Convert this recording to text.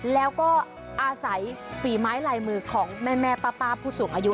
แล้วก็อาศัยฝีไม้ลายมือของแม่ป้าผู้สูงอายุ